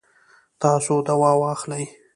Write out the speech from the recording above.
تاسو دوا واخلئ